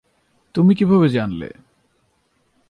তুমি কীভাবে জানলে?